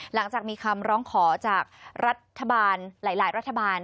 หลังจากมีคำร้องขอจากรัฐบาลหลายรัฐบาล